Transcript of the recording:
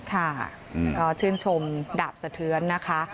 ค่ะก็ชื่นชมดาบสะเทือนนะคะ